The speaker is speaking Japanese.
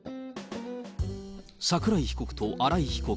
桜井被告と新井被告。